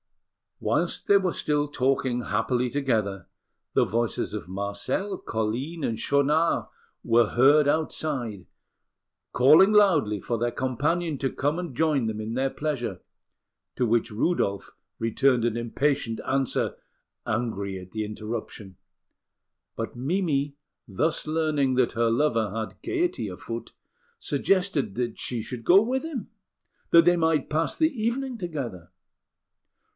Whilst they were still talking happily together, the voices of Marcel, Colline, and Schaunard were heard outside, calling loudly for their companion to come and join them in their pleasure, to which Rudolf returned an impatient answer, angry at the interruption; but Mimi, thus learning that her lover had gaiety afoot, suggested that she should go with him, that they might pass the evening together.